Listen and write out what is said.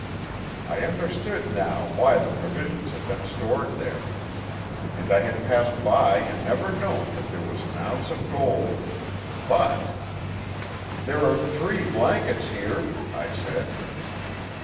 I understood now why the provisions had been stored there. And I had passed by and never known that there was an ounce of gold! But "There are three blankets here," I said.